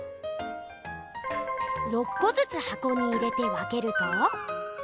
６こずつはこに入れて分けると。